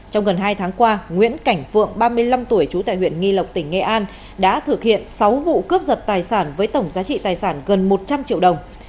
trong gần hai tháng qua nguyễn cảnh phượng ba mươi năm tuổi trú tại huyện nghi lộc tỉnh nghệ an đã thực hiện sáu vụ cướp giật tài sản với tổng giá trị tài sản gần một trăm linh triệu đồng